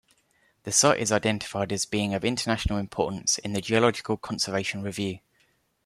The site is identified as being of international importance in the Geological Conservation Review.